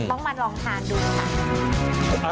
ต้องมาลองทานดูค่ะ